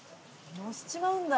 のせちまうんだ。